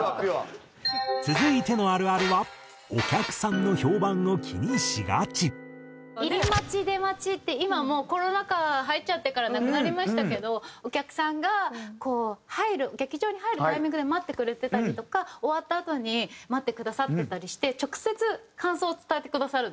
続いてのあるあるは入り待ち出待ちって今もうコロナ禍入っちゃってからなくなりましたけどお客さんがこう入る劇場に入るタイミングで待ってくれてたりとか終わったあとに待ってくださってたりして直接感想を伝えてくださるんですよ。